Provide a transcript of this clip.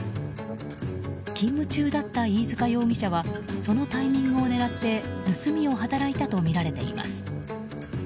勤務中の飯塚容疑者はそのタイミングを狙って盗みを働いたとみられています。